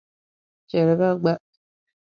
Chɛli bɛ gba.